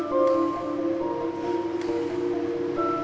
masa ini kita bisa masuk ke dalam